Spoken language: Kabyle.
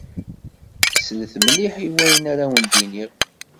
Slet mliḥ i wayen ara awen-d-iniɣ.